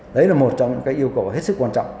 đấy là một trong những yêu cầu hết sức quan trọng